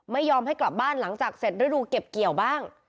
ไม่ยอมให้กลับบ้านหลังจากเสร็จฤดูเก็บเกี่ยวบ้าง